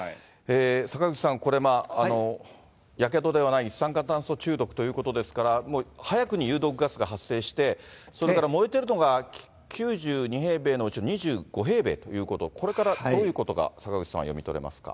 坂口さん、これ、やけどではない一酸化炭素中毒ということですから、早くに有毒ガスが発生して、それから燃えてるのが９２平米のうち２５平米ということ、これからどういうことが坂口さんは読み取れますか？